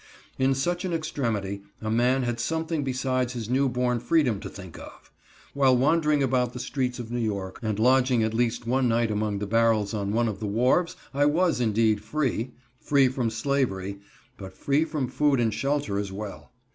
In such an extremity, a man had something besides his new born freedom to think of. While wandering about the streets of New York, and lodging at least one night among the barrels on one of the wharves, I was indeed free—from slavery, but free from food and shelter as well.